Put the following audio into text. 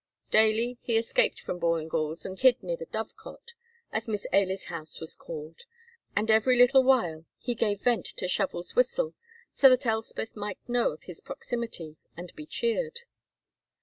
Daily he escaped from Ballingall's and hid near the Dovecot, as Miss Ailie's house was called, and every little while he gave vent to Shovel's whistle, so that Elspeth might know of his proximity and be cheered.